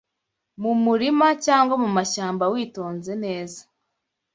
Mu murima cyangwa mu mashyamba witonze neza,